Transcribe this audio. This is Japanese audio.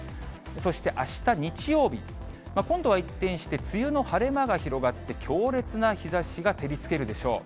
そしてあした日曜日、今度は一転して、梅雨の晴れ間が広がって、強烈な日ざしが照りつけるでしょう。